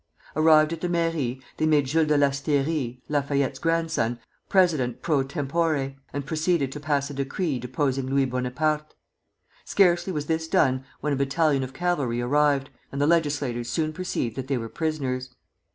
Arrived at the Mairie, they made Jules de Lasteyrie, Lafayette's grandson, president pro tempore, and proceeded to pass a decree deposing Louis Bonaparte. Scarcely was this done when a battalion of cavalry arrived, and the legislators soon perceived that they were prisoners.